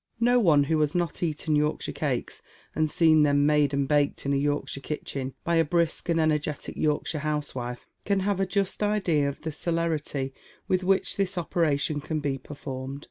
No one who has not eaten Yorkshire cakes, and seen them made and baked in a Yorkshire kitclisn, by a brisk and energetic Yorkshire housewife, can have a just idea of the celerity with whioh this operation can be performed.